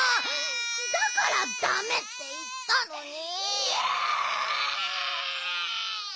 だからだめっていったのに。